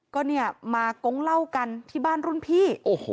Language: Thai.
ก็เนี่ยมากงเล่ากันที่บ้านรุ่นพี่